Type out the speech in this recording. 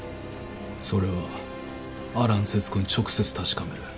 それは安蘭世津子に直接確かめる。